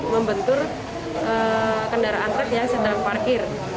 membentur kendaraan truk yang sedang parkir